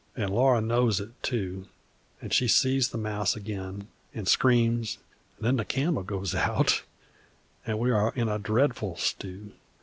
An' Laura knows it, too, an' she sees the mouse ag'in, an' screams, and then the candle goes out, and we are in a dreadful stew.